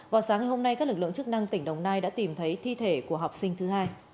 vào sáng ngày hôm nay các lực lượng chức năng tỉnh đồng nai đã tìm thấy thi thể của học sinh thứ hai